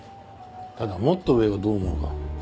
ただもっと上がどう思うか。